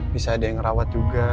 bisa ada yang rawat juga